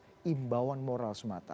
hanya sebatas imbauan moral semata